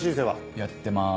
やってます。